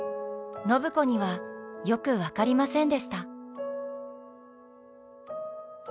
暢子にはよく分かりませんでした。